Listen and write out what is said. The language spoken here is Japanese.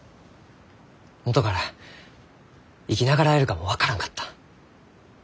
もとから生き長らえるかも分からんかった。